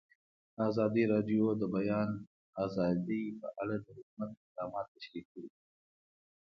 ازادي راډیو د د بیان آزادي په اړه د حکومت اقدامات تشریح کړي.